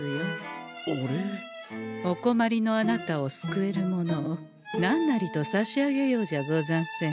お困りのあなたを救えるものを何なりと差し上げようじゃござんせんか。